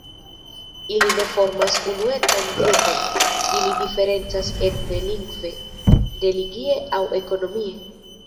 Ili ne formas unuecan grupon, ili diferencas etne, lingve, religie aŭ ekonomie.